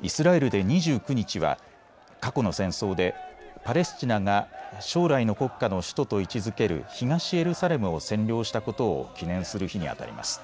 イスラエルで２９日は過去の戦争でパレスチナが将来の国家の首都と位置づける東エルサレムを占領したことを記念する日にあたります。